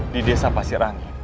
di desa pasir rangi